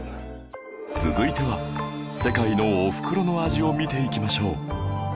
続いては世界のおふくろの味を見ていきましょう